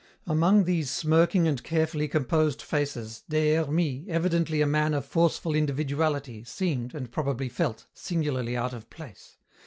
Among these smirking and carefully composed faces, Des Hermies, evidently a man of forceful individuality, seemed, and probably felt, singularly out of place.